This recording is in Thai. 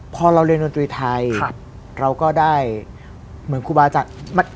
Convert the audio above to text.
พอเราเรียนดนตรีไทยเราก็ได้เหมือนครูบาอาจารย์